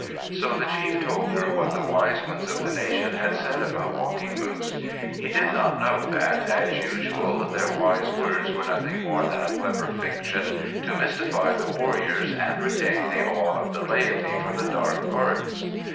So the chief told her what the wise ones of the nation had said about Walking Moose. He did not know that, as usual, their wise words were nothing more than a clever fiction to mystify the warriors and retain the awe of the laity for the dark arts.